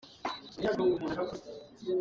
Rilipi ah tilawng nganpipi an hman hna.